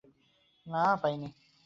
না, পাইনি।